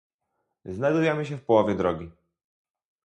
Znajdujemy się w połowie drogi